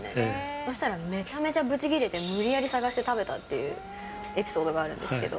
そしたらめちゃめちゃブチギレて、無理やり探して食べたっていうエピソードがあるんですけど。